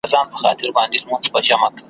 چي مي خپل وي جوماتونه خپل ملا خپل یې وعظونه `